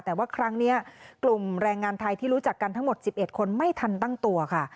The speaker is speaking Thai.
แต่ว่าครั้งนี้กลุ่มแรงงานไทยที่รู้จักกันทั้งหมด๑๑คนไม่ทันตั้งตัวค่ะ